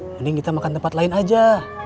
mending kita makan tempat lain aja